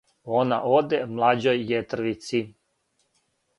Она оде млађој јетрвици: